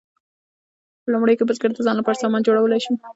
په لومړیو کې بزګر د ځان لپاره سامان جوړولی شو.